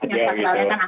yang kekeluarga kan akad